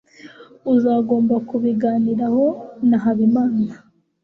uzagomba kubiganiraho na habimana